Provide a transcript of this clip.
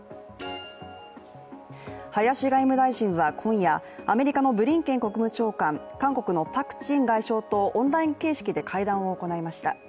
林外務大臣は今夜、アメリカのブリンケン国務長官韓国のパク・チン外相とオンライン形式で会談を行いました。